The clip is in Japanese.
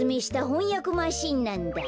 ほんやくマシーンなんだ。